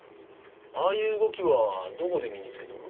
ああいう動きはどこで身につけたの？